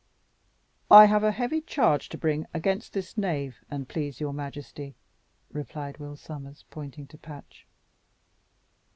"I have a heavy charge to bring against this knave, an' please your majesty," replied Will Sommers, pointing to Patch.